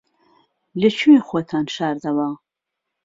لەکوێ خۆتان شاردەوە؟